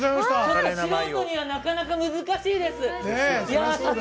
素人にはなかなか難しいです。